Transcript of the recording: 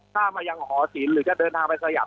ถ้ามายังหอศิลป์หรือจะเดินทางไปสยาม